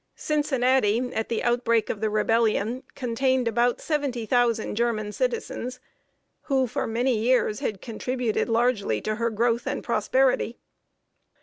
Cincinnati, at the outbreak of the Rebellion, contained about seventy thousand German citizens, who for many years had contributed largely to her growth and prosperity.